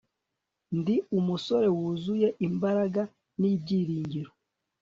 ndi umusore, wuzuye imbaraga n'ibyiringiro